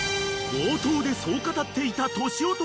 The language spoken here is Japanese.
［冒頭でそう語っていた］